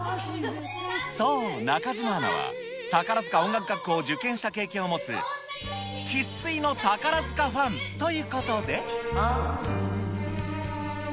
そう、中島アナは宝塚音楽学校を受験した経験を持つ、生粋の宝塚ファンということで。